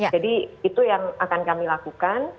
jadi itu yang akan kami lakukan